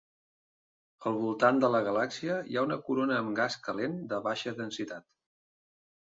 Al voltant de la galàxia hi ha una corona amb gas calent de baixa densitat.